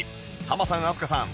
ハマさん飛鳥さん